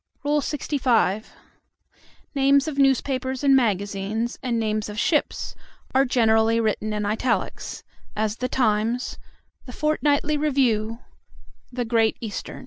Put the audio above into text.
LXV. Names of newspapers and magazines, and names of ships, are generally written in italics; as the Times, the Fort nightly Review, the Great Eastern.